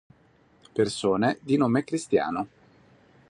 Persone di nome Cristiano